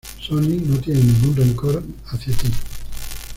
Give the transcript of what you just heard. Sonny no tiene ningún rencor hacia ti".